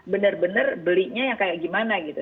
benar benar belinya yang kayak gimana gitu